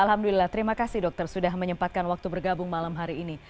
alhamdulillah terima kasih dokter sudah menyempatkan waktu bergabung malam hari ini